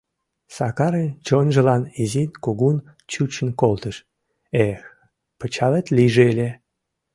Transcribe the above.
Сакарын чонжылан изин-кугун чучын колтыш: «Эх, пычалет лийже ыле!»